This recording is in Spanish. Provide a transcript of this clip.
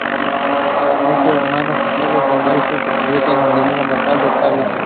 Dionisio, hermano gemelo de Marisol, se convierte en enemigo mortal de Octavio.